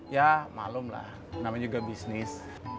ya malum lah namanya juga bisnis